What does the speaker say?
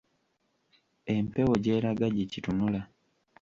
Empewo gy'eraga, gye kitunula.